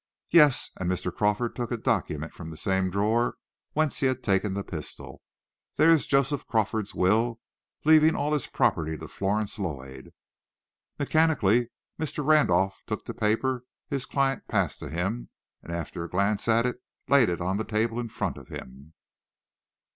"Yes," and Mr. Crawford took a document from the same drawer whence he had taken the pistol; "there is Joseph Crawford's will, leaving all his property to Florence Lloyd." Mechanically, Mr. Randolph took the paper his client passed to him, and, after a glance at it, laid it on the table in front of him.